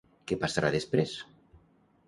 Què passarà després?